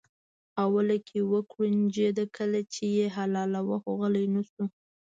اوله کې وکوړنجېده کله چې یې حلالاوه خو غلی نه شو.